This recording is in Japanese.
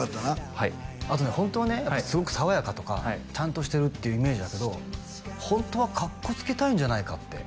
はいあとねホントはねすごく爽やかとかちゃんとしてるってイメージだけどホントはカッコつけたいんじゃないかって